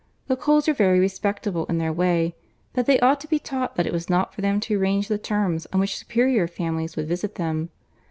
The Coles were very respectable in their way, but they ought to be taught that it was not for them to arrange the terms on which the superior families would visit them.